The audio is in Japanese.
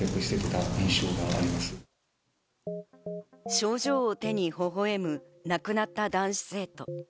賞状を手にほほ笑む亡くなった男子生徒。